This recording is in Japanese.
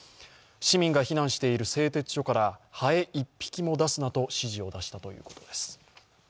市民が避難している製鉄所からハエ１匹も出すなと指示を出したということです。